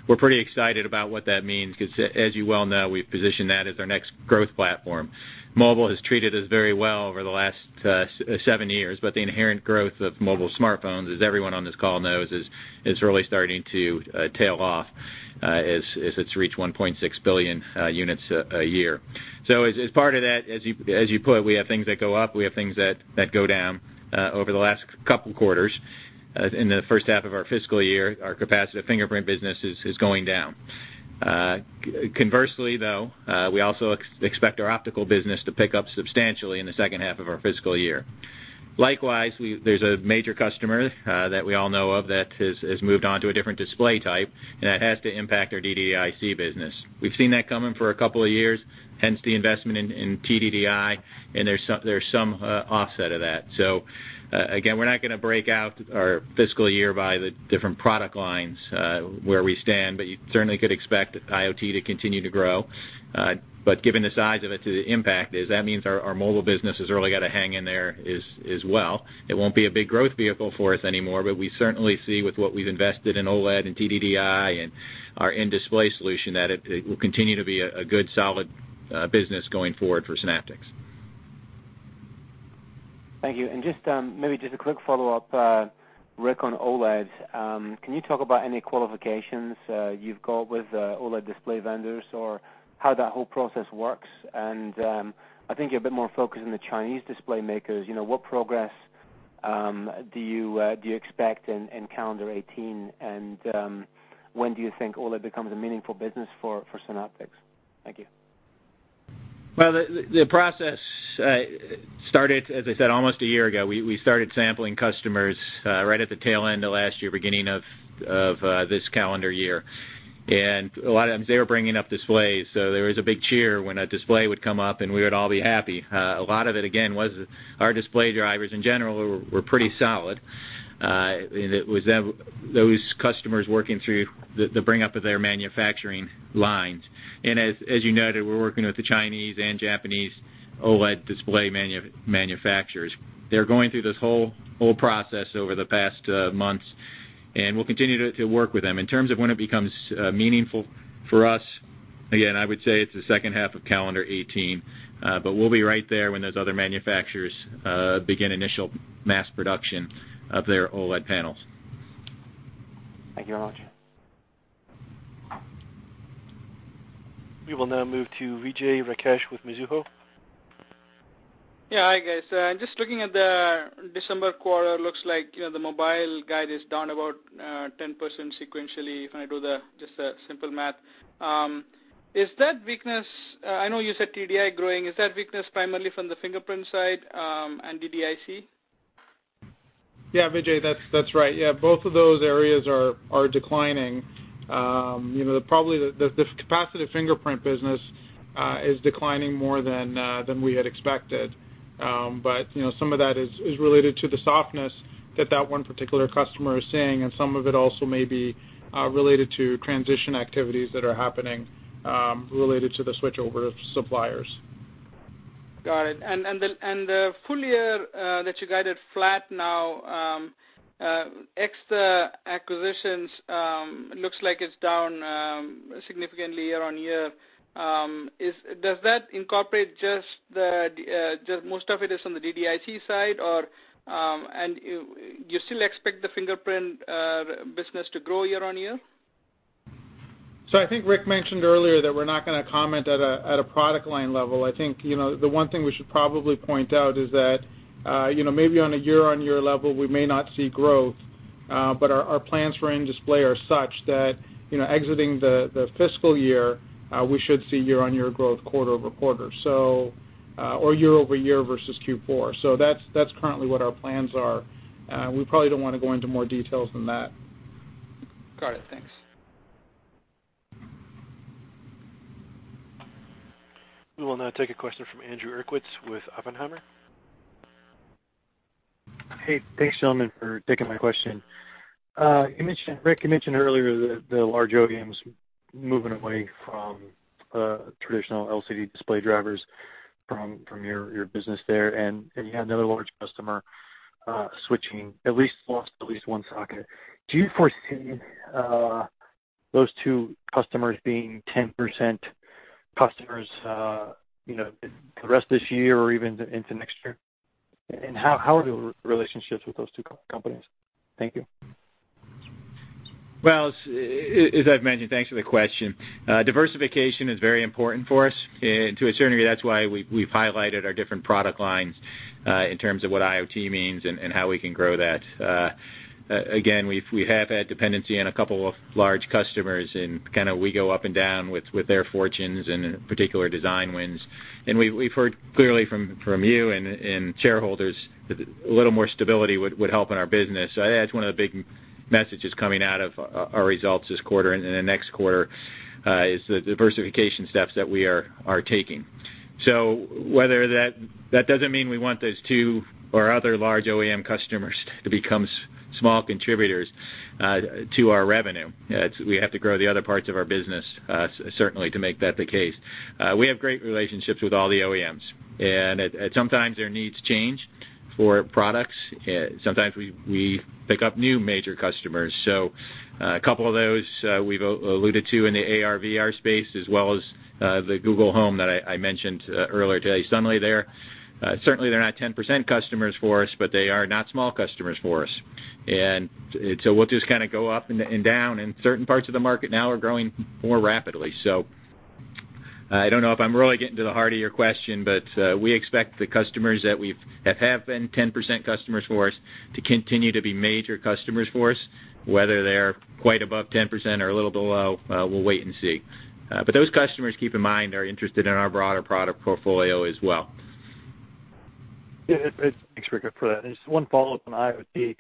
We're pretty excited about what that means because as you well know, we've positioned that as our next growth platform. Mobile has treated us very well over the last seven years, but the inherent growth of mobile smartphones, as everyone on this call knows, is really starting to tail off as it's reached 1.6 billion units a year. As part of that, as you put, we have things that go up, we have things that go down. Over the last couple of quarters in the first half of our fiscal year, our capacitive fingerprint business is going down. Conversely, though, we also expect our optical business to pick up substantially in the second half of our fiscal year. Likewise, there's a major customer that we all know of that has moved on to a different display type, and that has to impact our DDIC business. We've seen that coming for a couple of years, hence the investment in TDDI, and there's some offset of that. Again, we're not going to break out our fiscal year by the different product lines where we stand, but you certainly could expect IoT to continue to grow. Given the size of it to the impact is that means our mobile business has really got to hang in there as well. It won't be a big growth vehicle for us anymore, but we certainly see with what we've invested in OLED and TDDI and our in-display solution that it will continue to be a good solid business going forward for Synaptics. Thank you. Maybe just a quick follow-up Rick, on OLED, can you talk about any qualifications you've got with OLED display vendors or how that whole process works? I think you're a bit more focused on the Chinese display makers. What progress do you expect in calendar 2018, and when do you think OLED becomes a meaningful business for Synaptics? Thank you. Well, the process started, as I said, almost a year ago. We started sampling customers right at the tail end of last year, beginning of this calendar year. A lot of times, they were bringing up displays. There was a big cheer when a display would come up, and we would all be happy. A lot of it, again, was our display drivers in general were pretty solid. It was those customers working through the bring-up of their manufacturing lines. As you noted, we're working with the Chinese and Japanese OLED display manufacturers. They're going through this whole process over the past months, and we'll continue to work with them. In terms of when it becomes meaningful for us, again, I would say it's the second half of calendar 2018. We'll be right there when those other manufacturers begin initial mass production of their OLED panels. Thank you very much. We will now move to Vijay Rakesh with Mizuho. Hi, guys. Just looking at the December quarter, looks like the mobile guide is down about 10% sequentially if I do just a simple math. I know you said TDDI growing. Is that weakness primarily from the fingerprint side and DDIC? Vijay, that's right. Both of those areas are declining. Probably the capacitive fingerprint business is declining more than we had expected. Some of that is related to the softness that that one particular customer is seeing, and some of it also may be related to transition activities that are happening related to the switchover of suppliers. Got it. The full year that you guided flat now, ex the acquisitions, looks like it's down significantly year-on-year. Does that incorporate just most of it is on the DDIC side? Do you still expect the fingerprint business to grow year-on-year? I think Rick mentioned earlier that we're not going to comment at a product line level. I think the one thing we should probably point out is that maybe on a year-on-year level, we may not see growth, but our plans for in-display are such that exiting the fiscal year, we should see year-on-year growth quarter-over-quarter, or year-over-year versus Q4. That's currently what our plans are. We probably don't want to go into more details than that. Got it. Thanks. We will now take a question from Andrew Uerkwitz with Oppenheimer. Hey, thanks, gentlemen, for taking my question. Rick, you mentioned earlier that the large OEMs moving away from traditional LCD display drivers from your business there, and you had another large customer switching, at least lost at least one socket. Do you foresee those two customers being 10% customers the rest of this year or even into next year? How are the relationships with those two companies? Thank you. Well, as I've mentioned, thanks for the question. Diversification is very important for us. To a certain degree, that's why we've highlighted our different product lines in terms of what IoT means and how we can grow that. Again, we have had dependency on a couple of large customers, and kind of we go up and down with their fortunes and particular design wins. We've heard clearly from you and shareholders that a little more stability would help in our business. That's one of the big messages coming out of our results this quarter and in the next quarter, is the diversification steps that we are taking. That doesn't mean we want those two or other large OEM customers to become small contributors to our revenue. We have to grow the other parts of our business, certainly, to make that the case. We have great relationships with all the OEMs, and sometimes their needs change for products. Sometimes we pick up new major customers. A couple of those we've alluded to in the AR/VR space, as well as the Google Home that I mentioned earlier today. Suddenly, certainly they're not 10% customers for us, but they are not small customers for us. We'll just kind of go up and down, and certain parts of the market now are growing more rapidly. I don't know if I'm really getting to the heart of your question, but we expect the customers that have been 10% customers for us to continue to be major customers for us, whether they're quite above 10% or a little below, we'll wait and see. Those customers, keep in mind, are interested in our broader product portfolio as well. Yeah. Thanks, Rick, for that. Just one follow-up on IoT.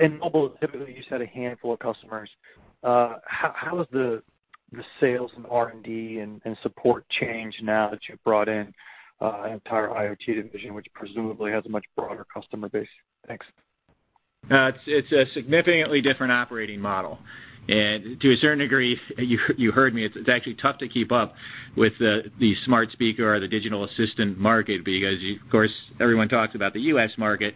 In mobile, typically, you said a handful of customers. How has the sales and R&D and support changed now that you've brought in an entire IoT division, which presumably has a much broader customer base? Thanks. It's a significantly different operating model. To a certain degree, you heard me, it's actually tough to keep up with the smart speaker or the digital assistant market because, of course, everyone talks about the U.S. market,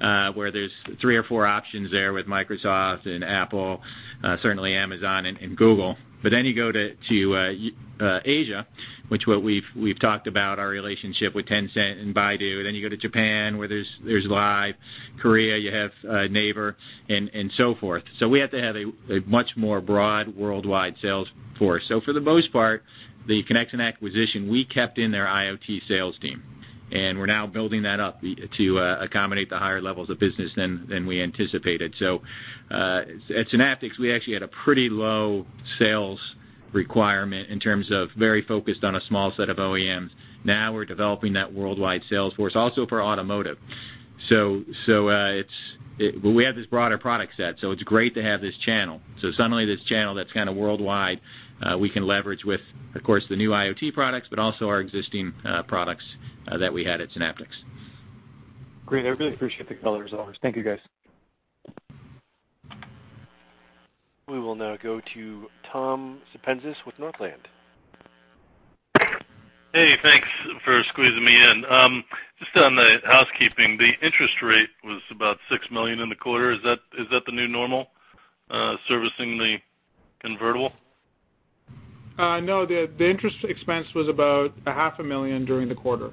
where there's three or four options there with Microsoft and Apple, certainly Amazon and Google. You go to Asia, which we've talked about our relationship with Tencent and Baidu. You go to Japan, where there's Line, Korea, you have Naver, and so forth. We have to have a much more broad worldwide sales force. For the most part, the Conexant acquisition, we kept in their IoT sales team, and we're now building that up to accommodate the higher levels of business than we anticipated. At Synaptics, we actually had a pretty low sales requirement in terms of very focused on a small set of OEMs. Now we're developing that worldwide sales force also for automotive. We have this broader product set, so it's great to have this channel. Suddenly this channel that's kind of worldwide, we can leverage with, of course, the new IoT products, but also our existing products that we had at Synaptics. Great. I really appreciate the color as always. Thank you, guys. We will now go to Tom Zupancic with Northland. Hey, thanks for squeezing me in. Just on the housekeeping, the interest rate was about $6 million in the quarter. Is that the new normal, servicing the convertible? No, the interest expense was about a half a million during the quarter.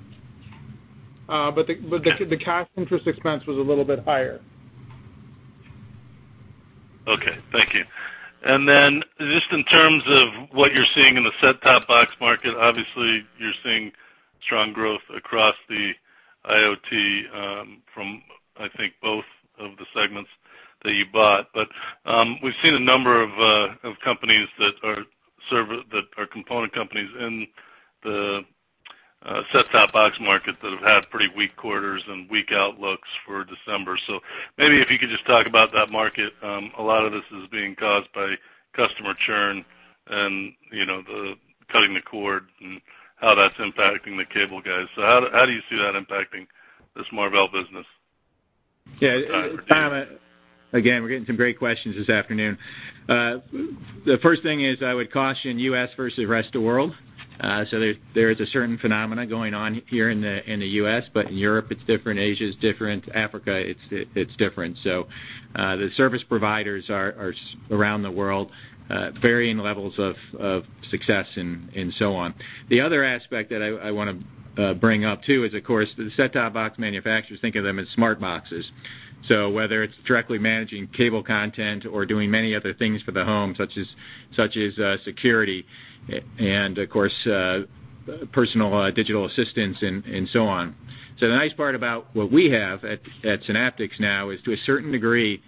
The cash interest expense was a little bit higher. Okay, thank you. Just in terms of what you're seeing in the set-top box market, obviously you're seeing strong growth across the IoT from, I think, both of the segments that you bought. We've seen a number of companies that are component companies in the set-top box market that have had pretty weak quarters and weak outlooks for December. Maybe if you could just talk about that market. A lot of this is being caused by customer churn and the cutting the cord and how that's impacting the cable guys. How do you see that impacting this Marvell business? Yeah. Tom, again, we're getting some great questions this afternoon. The first thing is, I would caution U.S. versus the rest of the world. There is a certain phenomenon going on here in the U.S. In Europe, it's different. Asia is different. Africa, it's different. The service providers are around the world, varying levels of success and so on. The other aspect that I want to bring up too is, of course, the set-top box manufacturers think of them as smart boxes. Whether it's directly managing cable content or doing many other things for the home, such as security and, of course, personal digital assistants and so on. The nice part about what we have at Synaptics now is, to a certain degree,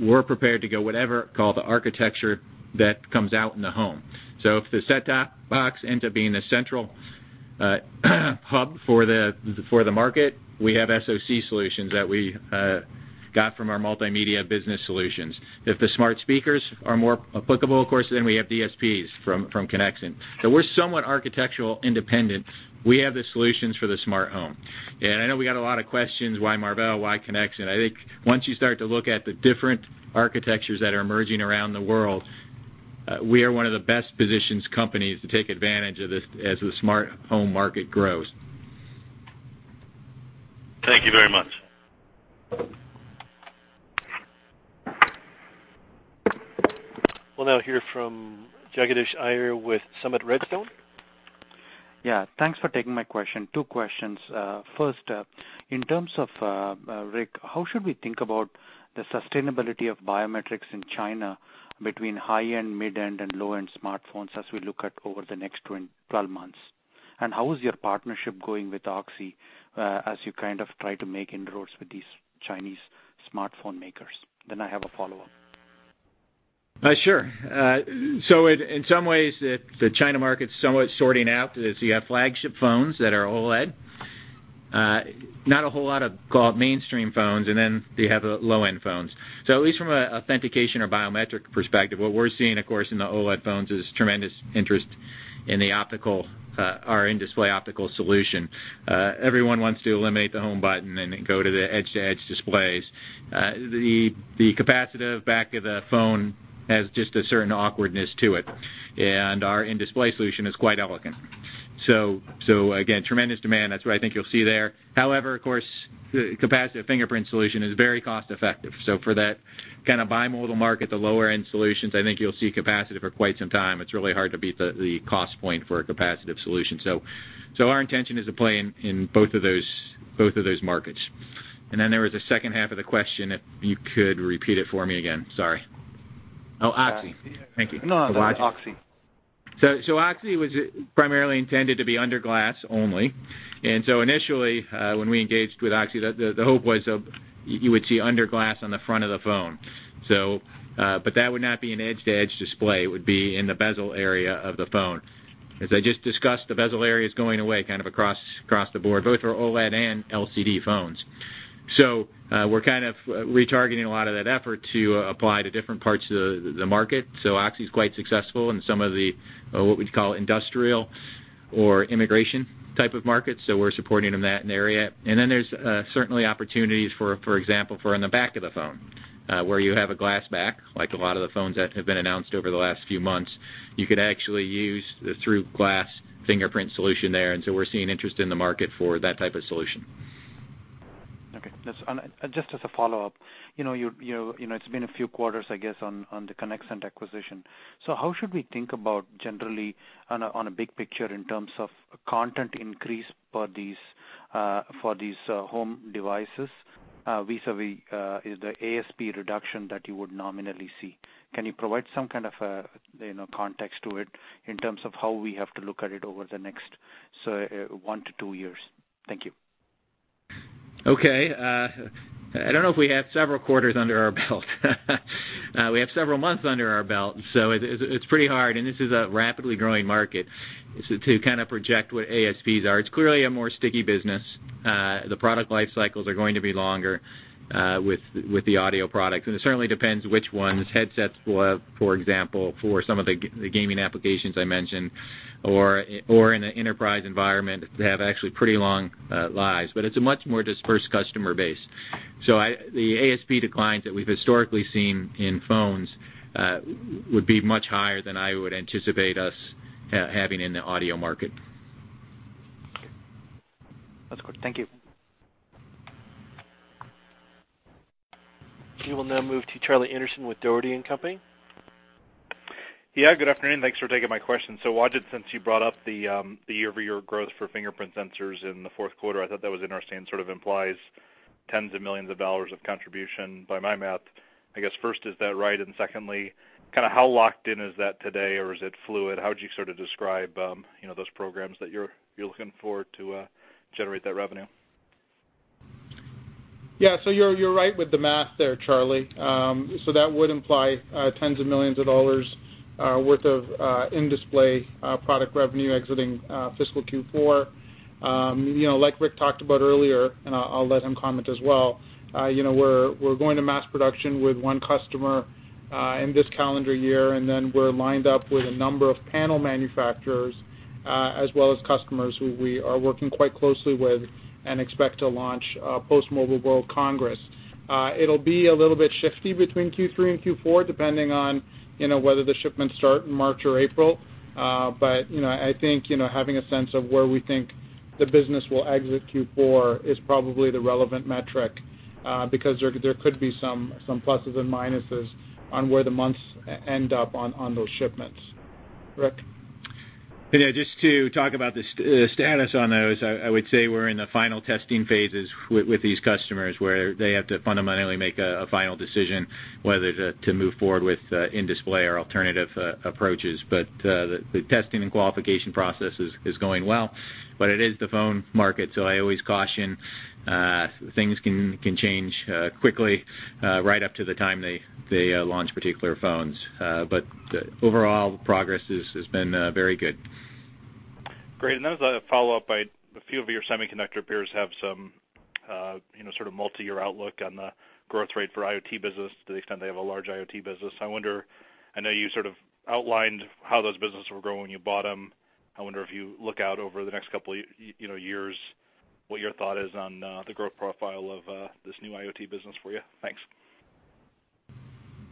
we're prepared to go whatever, call the architecture that comes out in the home. If the set-top box ends up being the central hub for the market, we have SoC solutions that we got from our multimedia business solutions. If the smart speakers are more applicable, of course, then we have DSPs from Conexant. We're somewhat architectural independent. We have the solutions for the smart home. I know we got a lot of questions, why Marvell, why Conexant? I think once you start to look at the different architectures that are emerging around the world, we are one of the best positioned companies to take advantage of this as the smart home market grows. Thank you very much. We'll now hear from Jagadish Iyer with Summit Redstone. Thanks for taking my question. Two questions. First, in terms of, Rick, how should we think about the sustainability of biometrics in China between high-end, mid-end, and low-end smartphones as we look at over the next 12 months? How is your partnership going with Oxy as you kind of try to make inroads with these Chinese smartphone makers? I have a follow-up. Sure. In some ways, the China market's somewhat sorting out. You have flagship phones that are OLED. Not a whole lot of mainstream phones. Then you have the low-end phones. At least from an authentication or biometric perspective, what we're seeing, of course, in the OLED phones is tremendous interest in the optical or in-display optical solution. Everyone wants to eliminate the home button and go to the edge-to-edge displays. The capacitive back of the phone has just a certain awkwardness to it, and our in-display solution is quite elegant. Again, tremendous demand. That's what I think you'll see there. However, of course, the capacitive fingerprint solution is very cost-effective. For that kind of bimodal market, the lower-end solutions, I think you'll see capacitive for quite some time. It's really hard to beat the cost point for a capacitive solution. Our intention is to play in both of those markets. There was a second half of the question, if you could repeat it for me again, sorry. OXi. Thank you. On OXi. OXi was primarily intended to be under glass only. Initially, when we engaged with OXi, the hope was you would see under glass on the front of the phone. That would not be an edge-to-edge display. It would be in the bezel area of the phone. As I just discussed, the bezel area is going away kind of across the board, both for OLED and LCD phones. We're kind of retargeting a lot of that effort to apply to different parts of the market. OXi's quite successful in some of the, what we'd call industrial or immigration type of markets. We're supporting them in that area. There's certainly opportunities, for example, for in the back of the phone, where you have a glass back, like a lot of the phones that have been announced over the last few months. You could actually use the through-glass fingerprint solution there, we're seeing interest in the market for that type of solution. Okay. Just as a follow-up, it's been a few quarters, I guess, on the Conexant acquisition. How should we think about generally on a big picture in terms of content increase for these home devices, vis-a-vis the ASP reduction that you would nominally see? Can you provide some kind of context to it in terms of how we have to look at it over the next one to two years? Thank you. Okay. I don't know if we have several quarters under our belt. We have several months under our belt, it's pretty hard, and this is a rapidly growing market, to kind of project what ASPs are. It's clearly a more sticky business. The product life cycles are going to be longer with the audio products, and it certainly depends which ones. Headsets, for example, for some of the gaming applications I mentioned, or in an enterprise environment, they have actually pretty long lives. It's a much more dispersed customer base. The ASP declines that we've historically seen in phones would be much higher than I would anticipate us having in the audio market. Okay. That's good. Thank you. We will now move to Charlie Anderson with Dougherty & Company. Yeah, good afternoon. Thanks for taking my question. Wajid, since you brought up the year-over-year growth for fingerprint sensors in the fourth quarter, I thought that was interesting, sort of implies $tens of millions of contribution by my math. I guess, first, is that right? Secondly, kind of how locked in is that today? Is it fluid? How would you sort of describe those programs that you're looking for to generate that revenue? Yeah. You're right with the math there, Charlie. That would imply $tens of millions worth of in-display product revenue exiting fiscal Q4. Like Rick talked about earlier, and I'll let him comment as well, we're going to mass production with one customer in this calendar year, we're lined up with a number of panel manufacturers, as well as customers who we are working quite closely with and expect to launch post-Mobile World Congress. It'll be a little bit shifty between Q3 and Q4, depending on whether the shipments start in March or April. I think having a sense of where we think the business will exit Q4 is probably the relevant metric, because there could be some pluses and minuses on where the months end up on those shipments. Rick? Just to talk about the status on those, I would say we're in the final testing phases with these customers, where they have to fundamentally make a final decision whether to move forward with in-display or alternative approaches. The testing and qualification process is going well. It is the phone market, I always caution things can change quickly right up to the time they launch particular phones. Overall progress has been very good. Great. As a follow-up, a few of your semiconductor peers have some sort of multi-year outlook on the growth rate for IoT business to the extent they have a large IoT business. I know you sort of outlined how those businesses were growing when you bought them. I wonder if you look out over the next couple years, what your thought is on the growth profile of this new IoT business for you. Thanks.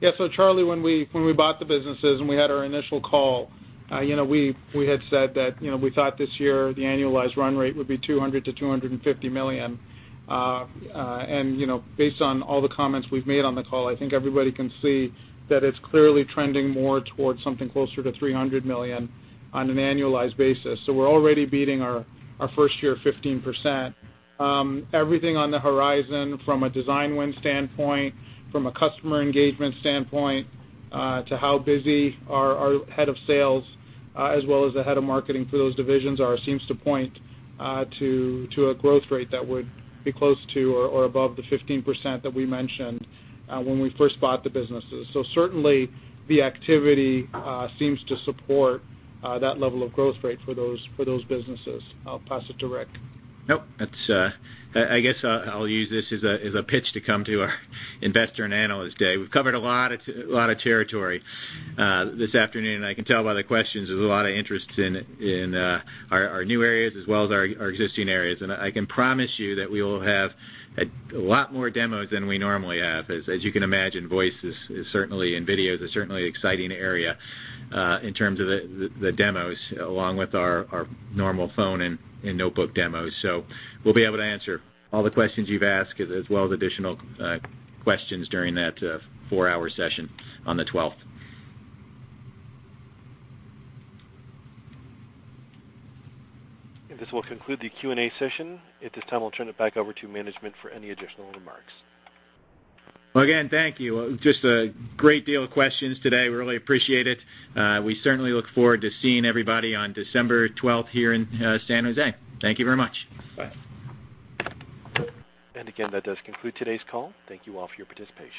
Yeah. Charlie, when we bought the businesses and we had our initial call, we had said that we thought this year the annualized run rate would be $200 million-$250 million. Based on all the comments we've made on the call, I think everybody can see that it's clearly trending more towards something closer to $300 million on an annualized basis. We're already beating our first year 15%. Everything on the horizon from a design win standpoint, from a customer engagement standpoint, to how busy our head of sales, as well as the head of marketing for those divisions are, seems to point to a growth rate that would be close to or above the 15% that we mentioned when we first bought the businesses. Certainly the activity seems to support that level of growth rate for those businesses. I'll pass it to Rick. I guess I'll use this as a pitch to come to our investor and analyst day. We've covered a lot of territory this afternoon, and I can tell by the questions there's a lot of interest in our new areas as well as our existing areas. I can promise you that we will have a lot more demos than we normally have. As you can imagine, voice and video is a certainly exciting area in terms of the demos, along with our normal phone and notebook demos. We'll be able to answer all the questions you've asked as well as additional questions during that four-hour session on the 12th. This will conclude the Q&A session. At this time, I'll turn it back over to management for any additional remarks. Again, thank you. Just a great deal of questions today. We really appreciate it. We certainly look forward to seeing everybody on December 12th here in San Jose. Thank you very much. Bye. Again, that does conclude today's call. Thank you all for your participation.